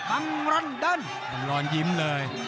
บังร้อนยิ้มเลย